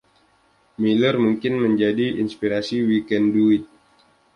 Miller mungkin menjadi inspirasi We Can Do It!